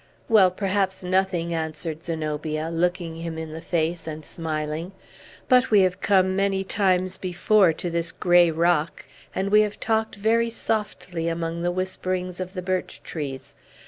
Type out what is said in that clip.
"Well, perhaps nothing," answered Zenobia, looking him in the face, and smiling. "But we have come many times before to this gray rock, and we have talked very softly among the whisperings of the birch trees.